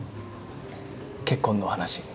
結婚の話。